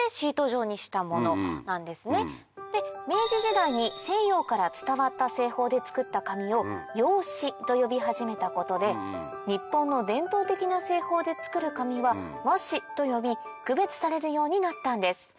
明治時代に西洋から伝わった製法で作った紙を「洋紙」と呼び始めたことで日本の伝統的な製法で作る紙は「和紙」と呼び区別されるようになったんです。